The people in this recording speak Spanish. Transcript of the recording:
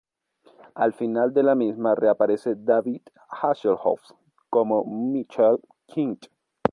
Al final de la misma reaparece David Hasselhoff como Michael Knight.